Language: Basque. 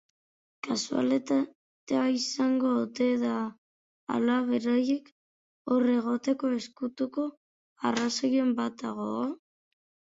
Kasualitatea izan ote da ala beraiek hor egoteko ezkutuko arrazoiren bat dago?